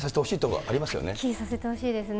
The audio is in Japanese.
はっきりさせてほしいですね。